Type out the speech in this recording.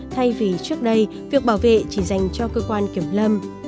thay vì trước đây việc bảo vệ chỉ dành cho cơ quan kiểm lâm